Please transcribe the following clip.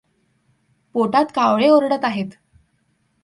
पोटात कावळे ओरडत आहेत.